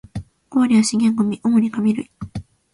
五割は資源ゴミ、主に紙類